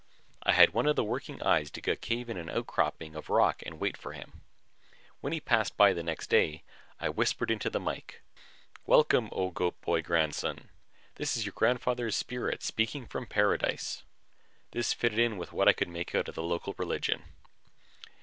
I had one of the working eyes dig a cave in an outcropping of rock and wait for him. When he passed next day, I whispered into the mike: "Welcome, O Goat boy Grandson! This is your grandfather's spirit speaking from paradise." This fitted in with what I could make out of the local religion.